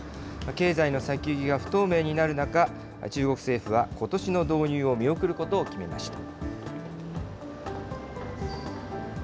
経済の先行きが不透明になる中、中国政府はことしの導入を見送ることを決めました。